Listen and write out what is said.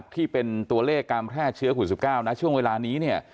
ที่เป็นตัวเลขการแพร่เชื้อคุณสุด๑๙ช่วงเวลานี้